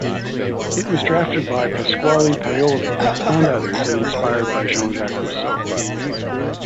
It was drafted by Pasquale Paoli and others and inspired by Jean-Jacques Rousseau.